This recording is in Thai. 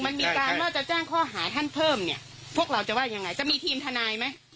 มันมีการว่าจะแจ้งข้อหาท่านเพิ่มเนี่ยพวกเราจะว่ายังไงจะมีทีมทนายไหม